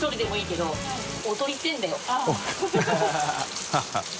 ハハハ